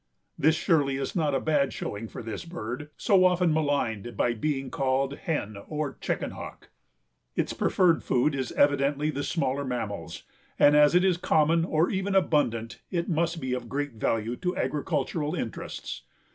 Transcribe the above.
This surely is not a bad showing for this bird, so often maligned by being called "hen" or "chicken hawk." Its preferred food is evidently the smaller mammals, and as it is common or even abundant it must be of great value to agricultural interests.